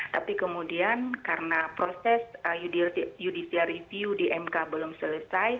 tapi kemudian karena proses judisiarisiu di mk belum selesai